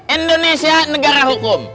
indonesia negara hukum